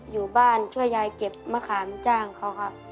อยู่บ้านช่วยยายเก็บมะขามจ้างเขาครับ